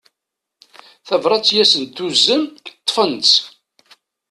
Tabrat i asent-d-tuzen ṭṭfent-tt.